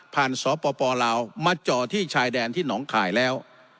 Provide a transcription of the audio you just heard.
สปลาวมาจ่อที่ชายแดนที่หนองข่ายแล้ว